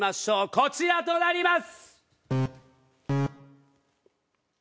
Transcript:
こちらとなります！